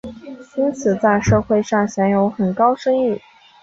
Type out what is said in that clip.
因此在社会上享有很高声誉。